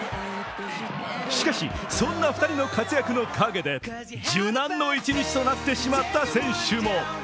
しかし、そんな２人の活躍の陰で受難の一日となってしまった選手も。